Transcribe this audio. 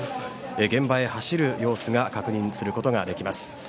現場へ走る様子を確認することができます。